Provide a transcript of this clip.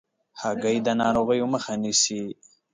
هګۍ د ناروغیو مخه نیسي.